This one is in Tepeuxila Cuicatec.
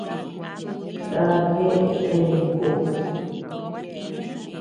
Ndá jeʼe nè ku.